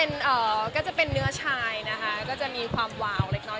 เป็นก็จะเป็นเนื้อชายนะคะก็จะมีความวาวเล็กน้อย